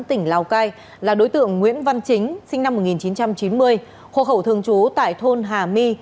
tỉnh lào cai là đối tượng nguyễn văn chính sinh năm một nghìn chín trăm chín mươi hộ khẩu thường trú tại thôn hà my